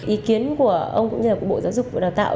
ý kiến của ông cũng như là của bộ giáo dục và đào tạo